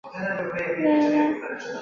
闭花木为大戟科闭花木属下的一个种。